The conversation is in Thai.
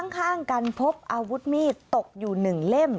ข้างการพบอาวุธมีดตกอยู่หนึ่งเล่ม